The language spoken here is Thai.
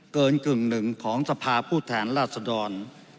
เกินกึ่งหนึ่งของสภาพผู้แทนล่าสะดอน